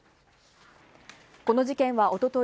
この事件はおととい